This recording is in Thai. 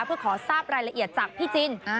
เพื่อขอทราบรายละเอียดจากพี่จิน